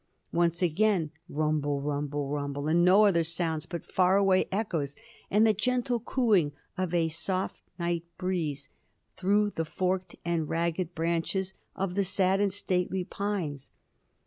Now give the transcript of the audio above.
Once again, rumble, rumble, rumble; and no other sounds but far away echoes and the gentle cooing of a soft night breeze through the forked and ragged branches of the sad and stately pines.